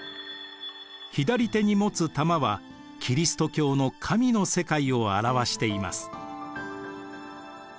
左手に持つ玉はキリスト教の神の世界を表しています。